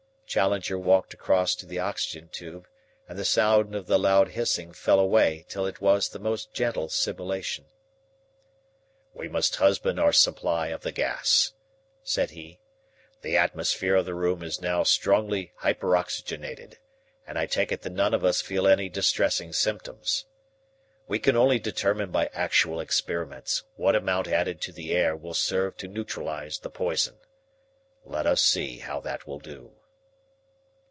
Challenger walked across to the oxygen tube, and the sound of the loud hissing fell away till it was the most gentle sibilation. "We must husband our supply of the gas," said he. "The atmosphere of the room is now strongly hyperoxygenated, and I take it that none of us feel any distressing symptoms. We can only determine by actual experiments what amount added to the air will serve to neutralize the poison. Let us see how that will do."